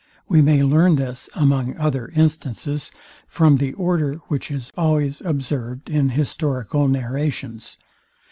We may learn this, among other instances, from the order, which is always observed in historical narrations.